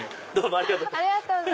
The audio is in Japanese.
ありがとうございます。